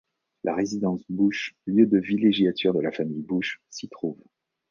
La résidence Bush, lieu de villégiature de la famille Bush s'y trouve.